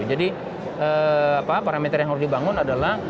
jadi parameter yang harus dibangun adalah